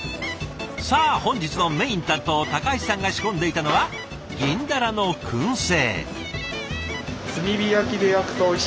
さあ本日のメイン担当高橋さんが仕込んでいたのは銀鱈の燻製。